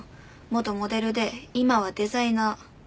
元モデルで今はデザイナー。